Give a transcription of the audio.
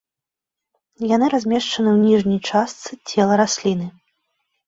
Яны размешчаны ў ніжняй частцы цела расліны.